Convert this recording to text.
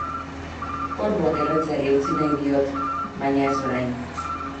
Porruak erretzeari utzi nahi diot baina ez orain.